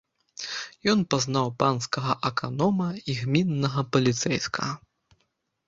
Ён пазнаў панскага аканома і гміннага паліцэйскага.